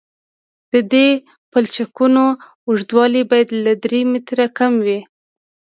د دې پلچکونو اوږدوالی باید له درې مترو کم وي